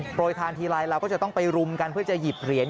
ทานทีไรเราก็จะต้องไปรุมกันเพื่อจะหยิบเหรียญ